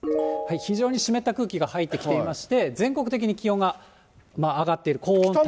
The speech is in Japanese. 非常に湿った空気が入ってきていまして、全国的に気温が上がっている、高温多湿。